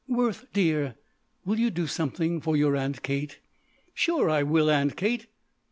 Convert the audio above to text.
"Worth dear, will you do something for your Aunt Kate?" "Sure I will, Aunt Kate."